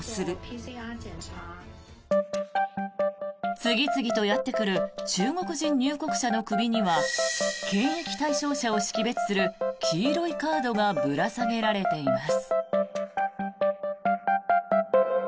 次々とやってくる中国人入国者の首には検疫対象者を識別する黄色いカードがぶら下げられています。